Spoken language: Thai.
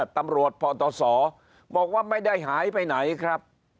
ตำรวจพศบอกว่าไม่ได้หายไปไหนครับ